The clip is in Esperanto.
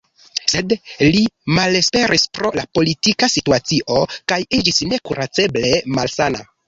Sed li malesperis pro la politika situacio kaj iĝis nekuraceble malsana.